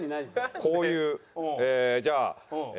こういうじゃあ。